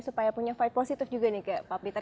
supaya punya vibe positif juga nih pak peter